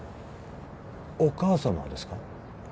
お母様ですか？